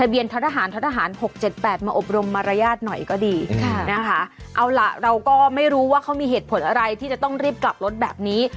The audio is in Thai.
เอาล่ะเราก็ไม่รู้ว่าเขามีเหตุผลอะไรที่จะต้องรีบกลับรถแบบนี้